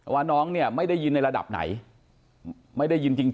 ว่าน้องเนี่ยไม่ได้ยินในระดับไหนไม่ได้ยินจริง